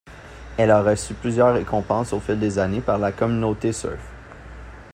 Elle a reçu plusieurs récompenses au fil des années par la communauté surf.